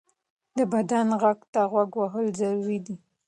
د بدن غږ ته غوږ وهل ضروري دی.